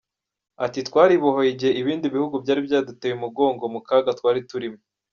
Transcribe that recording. Ati “Twaribohoye igihe ibindi bihugu byari byaduteye umugongo mu kaga twari turimo.